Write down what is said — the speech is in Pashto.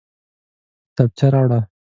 کتابچه راوړه